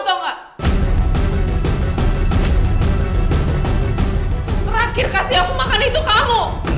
terakhir kasih aku makan itu kamu